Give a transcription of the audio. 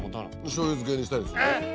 しょうゆ漬けにしたりする。